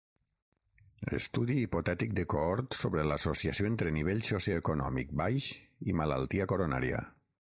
Estudi hipotètic de cohort sobre l'associació entre nivell socioeconòmic baix i malaltia coronària.